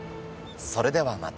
それではまた。